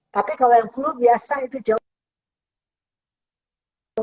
tapi kalau yang flu biasa itu jauh